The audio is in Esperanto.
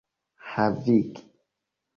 havigi